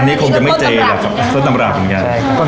อันนี้คงจะไม่เจส้นตำรับเหมือนกันใช่ครับ